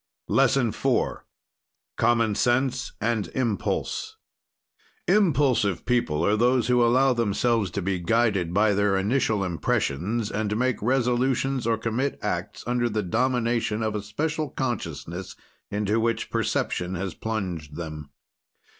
LESSON IV COMMON SENSE AND IMPULSE Impulsive people are those who allow themselves to be guided by their initial impressions and make resolutions or commit acts tinder the domination of a special consciousness into which perception has plunged them.